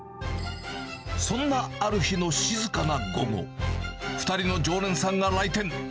そんなある日の静かな午後、２人の常連さんが来店。